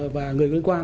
và người có liên quan